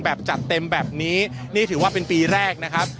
แบบจัดเต็มแบบนี้นี่ถือว่าเป็นปีแรกนะครับ